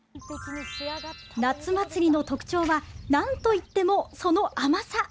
夏祭りの特徴は、なんといってもその甘さ。